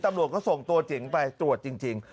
ตำรวจก็ส่งตัวเจ๋งไปตรวจจริง